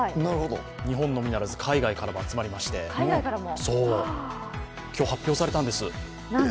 日本のみならず海外からも集まりまして今日発表されたんです。